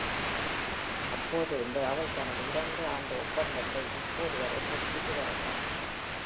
அப்போதிருந்து, அவள் தனது இரண்டு ஆண்டு ஒப்பந்தத்தை இப்போது வரை புதுப்பித்து வருகிறாள்